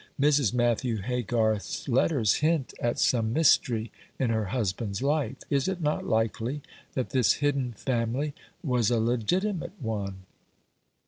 Mrs. Matthew Haygarth's letters hint at some mystery in her husband's life. Is it not likely that this hidden family was a legitimate one?"